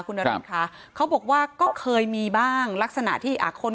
คุณนฤทธิคะเขาบอกว่าก็เคยมีบ้างลักษณะที่อ่ะคน